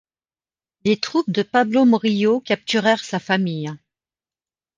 Les troupes de Pablo Morillo capturèrent sa famille.